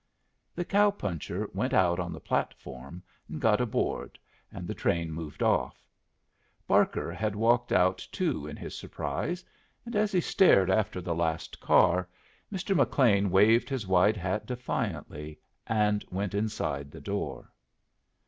The cow puncher went out on the platform and got aboard, and the train moved off. Barker had walked out too in his surprise, and as he stared after the last car, Mr. McLean waved his wide hat defiantly and went inside the door.